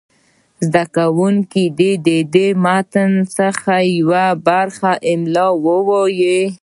زده کوونکي دې له متن څخه یوه برخه املا ووایي.